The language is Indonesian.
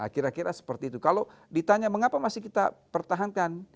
kira kira seperti itu kalau ditanya mengapa masih kita pertahankan